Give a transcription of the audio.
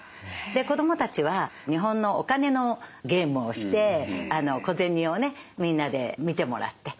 で子どもたちは日本のお金のゲームをして小銭をねみんなで見てもらって。